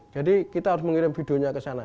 jadi kita harus mengirim videonya ke sana